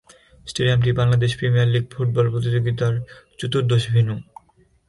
স্টেডিয়ামটি Bangladesh premier league football প্রতিযোগীতার চতুর্দশ venue.